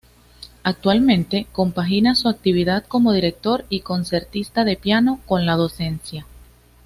Actualmente compagina su actividad como Director y Concertista de piano con la docencia.